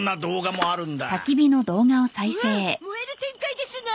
燃える展開ですな！